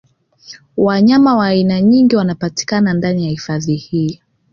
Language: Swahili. Wanyama wa aina nyingi wanapatikana ndani ya hifadhi hii